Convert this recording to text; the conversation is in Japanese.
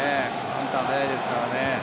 カウンター速いですからね。